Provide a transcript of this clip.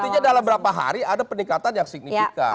artinya dalam beberapa hari ada peningkatan yang signifikan